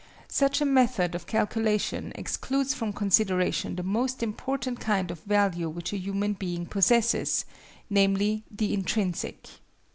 Such a method of calculation excludes from consideration the most important kind of value which a human being possesses; namely, the intrinsic.